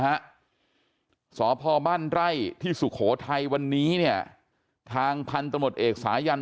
ฮะสพบ้านไร่ที่สุโขทัยวันนี้เนี่ยทางพันธมตเอกสายัน